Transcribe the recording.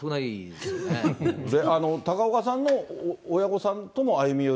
で、高岡さんの親御さんとも歩み寄る？